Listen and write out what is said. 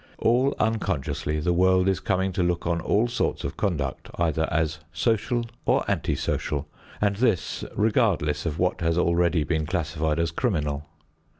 All unconsciously the world is coming to look on all sorts of conduct either as social or anti social, and this regardless of what has already been classified as criminal.